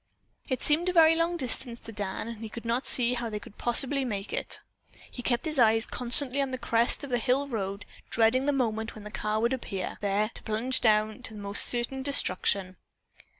It seemed a very long distance to Dan and he could not see how they possibly could make it. He kept his eyes constantly on the crest of the hill road, dreading the moment when the car would appear, there to plunge down to certain destruction.